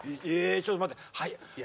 ちょっと待って。